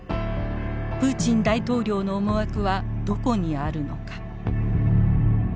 プーチン大統領の思惑はどこにあるのか。